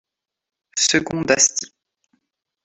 Second d’Asti.